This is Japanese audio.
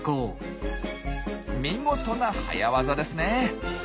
見事な早業ですね！